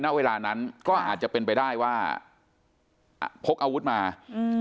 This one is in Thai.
ณเวลานั้นก็อาจจะเป็นไปได้ว่าอ่ะพกอาวุธมาอืม